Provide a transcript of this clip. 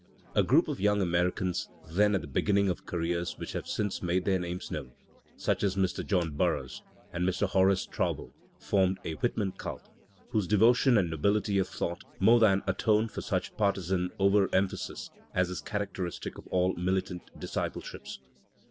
A group of young Americans, then at the beginning of careers which have since made their names known, such as Mr. John Burroughs and Mr. Horace Traubel, formed a Whitman cult, whose devo tion and nobility of thought more than atone for such partisan over emphasis as is characteristic of all militant disdpleships.